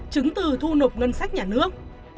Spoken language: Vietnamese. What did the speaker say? chứng từ thu nộp ngân sách nhà nước